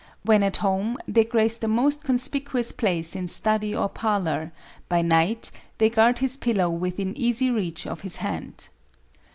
When at home, they grace the most conspicuous place in study or parlor; by night they guard his pillow within easy reach of his hand.